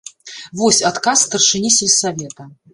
Вось адказ старшыні сельсавета.